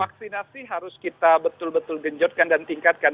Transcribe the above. vaksinasi harus kita betul betul genjotkan dan tingkatkan